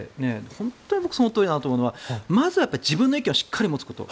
本当にそのとおりだなと思うのはまずはやっぱり自分の意見をしっかり持つこと。